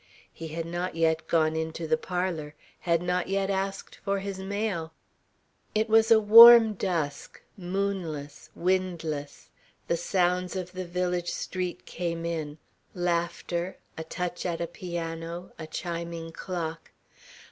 He had not yet gone into the parlour had not yet asked for his mail. It was a warm dusk, moonless, windless. The sounds of the village street came in laughter, a touch at a piano, a chiming clock.